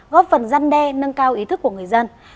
góp phần gian đe nâng cao ý thức của người dân